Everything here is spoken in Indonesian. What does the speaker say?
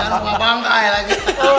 yang dihajar bunga pangkai lagi